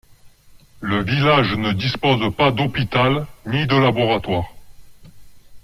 Le village ne dispose pas d'hôpital, ni de laboratoire.